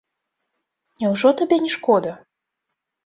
Няўжо табе не шкода?